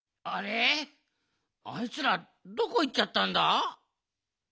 あいつらどこいっちゃったんだ？